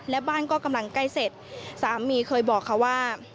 และบ้านก็กำลังใกล้เสร็จสามีเคยบอกเขาว่า